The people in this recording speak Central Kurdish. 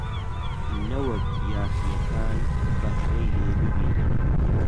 نەوەک یاغییەکان بەهرەی لێ ببینن!